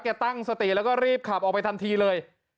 ตั้งสติแล้วก็รีบขับออกไปทันทีเลย